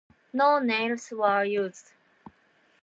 No nails were used.